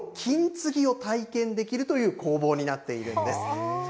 その金継ぎを体験できるという工房になっているんです。